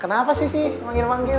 kenapa sisi memanggil manggil